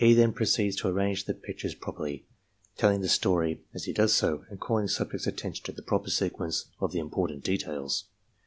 then pro ceeds to arrange the pictures properly, telling the story as he does so, and calling subject's attention to the proper sequence of the important details.